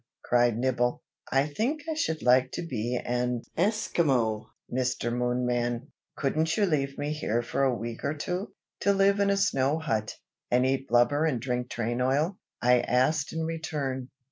cried Nibble. "I think I should like to be an Esquimaux, Mr. Moonman! Couldn't you leave me here for a week or two?" "To live in a snow hut, and eat blubber and drink train oil?" I asked in return.